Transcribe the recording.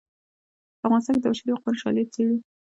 په افغانستان کې د بشر حقونو شالید څیړو.